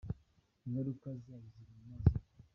Ingaruka zayo ziri mu maso yabo.